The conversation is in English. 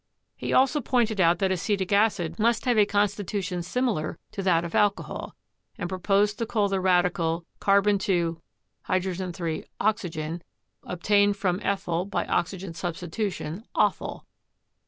He also pointed out that acetic acid must have a consti tution similar to that of alcohol, and proposed to call the radical C2H3O, obtained from ethyl by oxygen substitution, othyl.